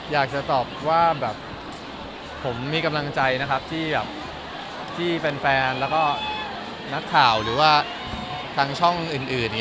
อยากจะตอบว่าแบบผมมีกำลังใจนะครับที่แฟนแล้วก็นักข่าวหรือว่าทางช่องอื่น